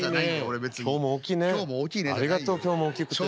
ありがとう今日も大きくてね。